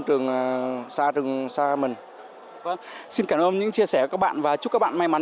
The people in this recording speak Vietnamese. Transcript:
rồi là lần thứ một mươi ba đành camper